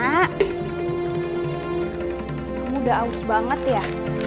ini udah aus banget ya